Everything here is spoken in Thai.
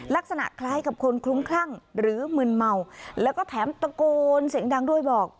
ลักษณะคล้ายกับคนคลุ้มคลั่งหรือมึนเมาแล้วก็แถมตะโกนเสียงดังด้วยบอก